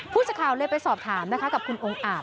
พูดสักคราวเลยไปสอบถามนะคะกับคุณองค์อาบ